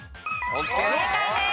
正解です。